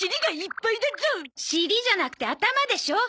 尻じゃなくて頭でしょ！